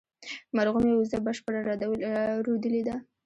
مرغومي، وزه بشپړه رودلې ده